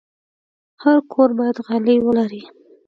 هر کور باید غالۍ ولري.